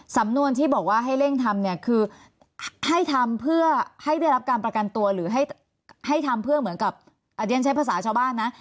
สำนวนที่บอกว่าให้เร่งทำคือให้ได้รับการประกันตัวหรือให้ทำเหมือนกับอาเจนใช้ภาษาชาวบ้านนะ